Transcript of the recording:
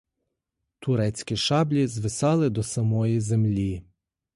Турецькі шаблі звисали до самої землі.